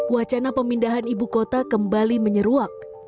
wacana pemindahan ibu kota kembali menyeruak